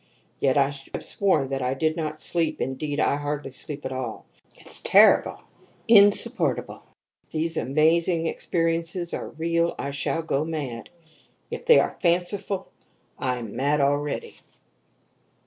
Yet I would have sworn that I did not sleep indeed, I hardly sleep at all. It is terrible, insupportable! If these amazing experiences are real I shall go mad; if they are fanciful I am mad already.